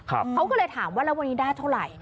เขาก็เลยถามว่าแล้ววันนี้ได้เท่าไหร่